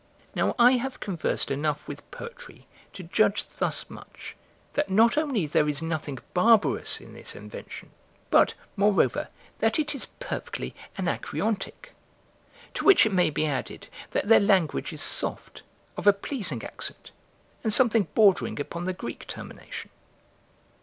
Now I have conversed enough with poetry to judge thus much that not only there is nothing barbarous in this invention, but, moreover, that it is perfectly Anacreontic. To which it may be added, that their language is soft, of a pleasing accent, and something bordering upon the Greek termination.